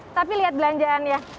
tapi lihat belanjaannya